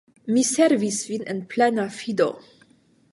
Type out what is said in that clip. Mi servis vin en plena fido.